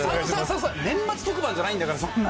年末特番じゃないんだから、そんな。